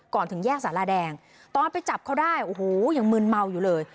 ถึงแยกสาราแดงตอนไปจับเขาได้โอ้โหยังมืนเมาอยู่เลย